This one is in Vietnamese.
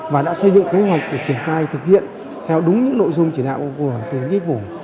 và đã xây dựng kế hoạch để triển khai thực hiện theo đúng những nội dung chỉ đạo của tùy nhiệm vụ